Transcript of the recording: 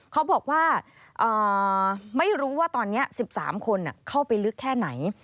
เขาบอกว่าไม่รู้ว่าตอนนี้๑๓คนเข้าไปลึกแค่ไหน